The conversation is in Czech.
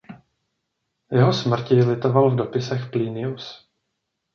Jeho smrti litoval v Dopisech Plinius.